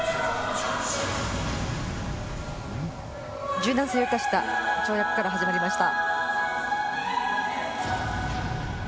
柔軟性を生かした跳躍から始まりました。